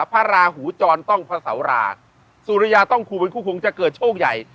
พระราหูจรต้องพระเสาราสุริยาต้องครูเป็นคู่คงจะเกิดโชคใหญ่